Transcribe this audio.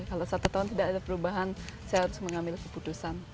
kalau satu tahun tidak ada perubahan saya harus mengambil keputusan